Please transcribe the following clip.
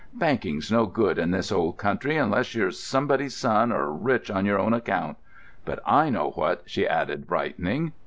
"Banking's no good in this old country unless you're somebody's son, or rich on your own account. But I know what," she added, brightening.